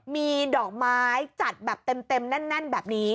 มีดอกไม้จัดแบบเต็มแน่นแบบนี้